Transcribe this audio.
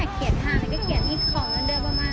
เฮ้ยพี่ดีอ่ะ